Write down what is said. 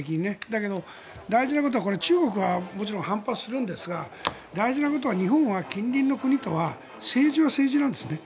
だけど、大事なことは中国がもちろん反発するんですが大事なことは日本は近隣の国とは政治は政治なんですね。